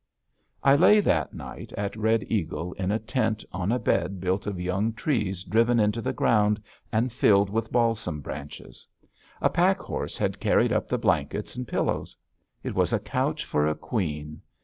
I lay that night at Red Eagle in a tent on a bed built of young trees driven into the ground and filled with balsam branches. A pack horse had carried up the blankets and pillows. It was a couch for a queen.